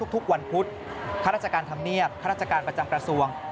ทุกวันพุธข้าราชการธรรมเนียบข้าราชการประจำกระทรวง